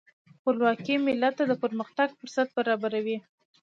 خپلواکي ملت ته د پرمختګ فرصت برابروي.